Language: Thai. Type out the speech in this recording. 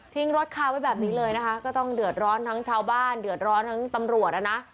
รถคาไว้แบบนี้เลยนะคะก็ต้องเดือดร้อนทั้งชาวบ้านเดือดร้อนทั้งตำรวจอ่ะนะ